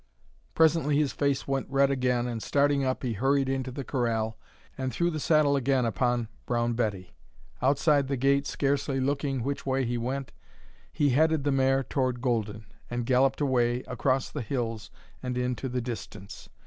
Presently his face went red again and starting up he hurried into the corral and threw the saddle again upon Brown Betty. Outside the gate, scarcely looking which way he went, he headed the mare toward Golden and galloped away, across the hills, and into the distance.